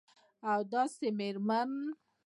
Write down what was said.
او داسي میرمن